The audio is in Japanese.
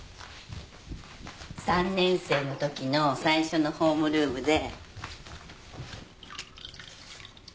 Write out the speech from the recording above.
３年生のときの最初のホームルームで。